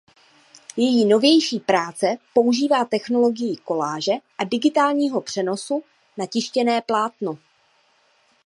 Její novější práce používá technologii koláže a digitálního přenosu na tištěné plátno.